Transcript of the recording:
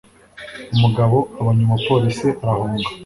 Umugabo abonye umupolisi arahunga